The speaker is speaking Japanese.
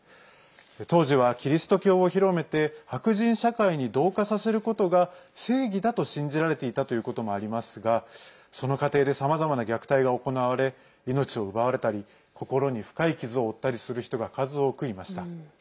当時は、キリスト教を広めて白人社会に同化させることが正義だと信じられていたということもありますがその過程でさまざまな虐待が行われ命を奪われたり心に深い傷を負ったりする人が数多くいました。